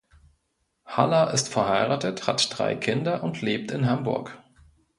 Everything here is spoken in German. Haller ist verheiratet, hat drei Kinder und lebt in Hamburg.